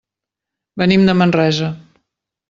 Venim de Manresa.